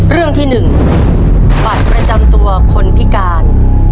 เรื่องที่๑บัตรประจำตัวคนพิการ